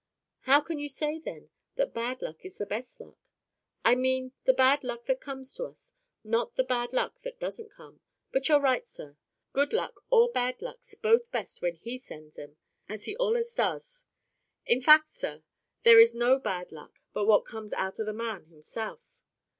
"How can you say, then, that bad luck is the best luck?" "I mean the bad luck that comes to us—not the bad luck that doesn't come. But you're right, sir. Good luck or bad luck's both best when HE sends 'em, as He allus does. In fac', sir, there is no bad luck but what comes out o' the man hisself.